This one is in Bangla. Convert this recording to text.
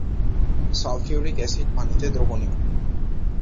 সালফিউরিক এসিড পানিতে দ্রবণীয়।